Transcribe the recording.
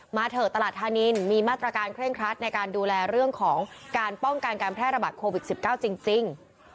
เถอะตลาดธานินมีมาตรการเคร่งครัดในการดูแลเรื่องของการป้องกันการแพร่ระบาดโควิด๑๙จริง